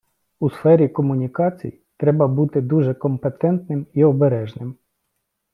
У сфері комунікацій треба бути дуже компетентним і обережним.